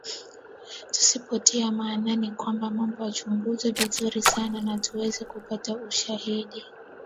tusipotia maanani ya kwamba mambo yachunguzwe vizuri sana na tuweze kupata ushahidi